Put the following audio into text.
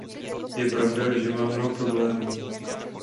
Je pravda, že má mnoho problémů.